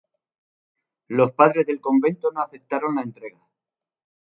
Los Padres del convento no aceptaron la entrega.